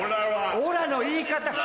「オラ」の言い方。